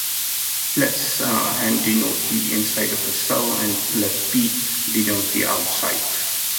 Let N denote the inside of a cell, and let P denote the outside.